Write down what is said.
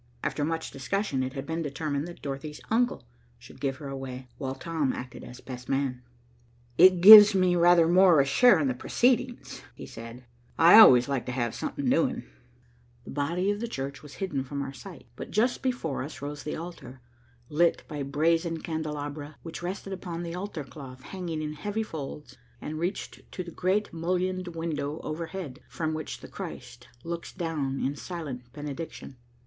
After much discussion, it had been determined that Dorothy's uncle should give her away, while Tom acted as best man. "It gives me rather more of a share in the proceedings," he said, "I always like to have something doing." The body of the church was hidden from our sight, but just before us rose the altar, lit by brazen candelabra which rested upon the altar cloth, hanging in heavy folds, and reached to the great mullioned window overhead, from which the Christ looks down in silent benediction.